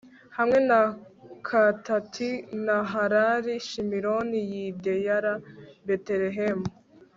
hamwe na katati, nahalali, shimironi, yideyala, betelehemu